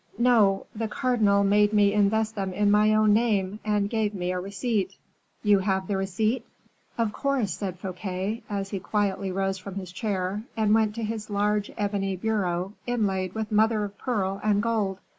"No; the cardinal made me invest them in my own name, and gave me a receipt." "You have the receipt?" "Of course," said Fouquet, as he quietly rose from his chair, and went to his large ebony bureau inlaid with mother of pearl and gold.